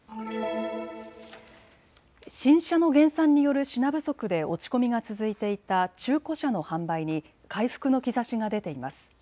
新車の減産による品不足で落ち込みが続いていた中古車の販売に回復の兆しが出ています。